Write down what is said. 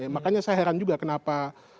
makanya saya heran juga kenapa